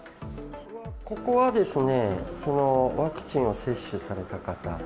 ここはワクチンを接種された方。